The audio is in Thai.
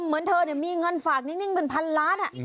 เหมือนเธอมีเงินฝากนิ่งเป็นพันล้าน